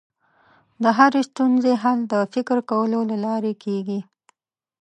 د هرې ستونزې حل د فکر کولو له لارې کېږي.